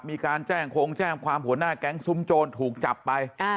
มีการแจ้งโครงแจ้งความหัวหน้าแก๊งซุ้มโจรถูกจับไป